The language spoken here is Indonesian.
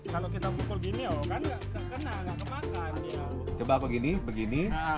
kalau kita pukul gini oh kan gak kena gak kemana